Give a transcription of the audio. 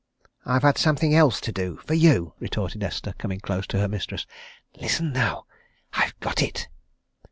"I've had something else to do for you!" retorted Esther, coming close to her mistress. "Listen, now! I've got it!"